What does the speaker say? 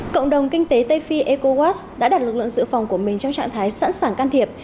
cộng đồng kinh tế tây phi ecowas đã đặt lực lượng dự phòng của mình trong trạng thái sẵn sàng can thiệp